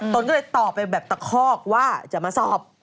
ตนก็เลยตอบไปแบบตะคอกว่าจะมาสอบ